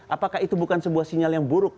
apakah itu bukan sebuah sinyal yang buruk